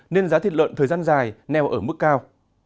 nên giá thịt lợn thời gian dài neo ở mức cao